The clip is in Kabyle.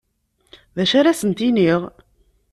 D acu ara asent-iniɣ?